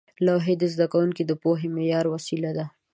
لوحې د زده کوونکو د پوهې معیاري وسیله وې.